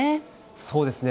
そうですね。